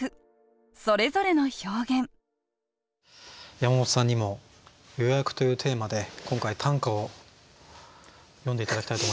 山本さんにも「予約」というテーマで今回短歌を詠んで頂きたいと思います。